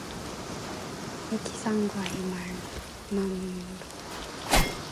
이 기상과 이 맘으로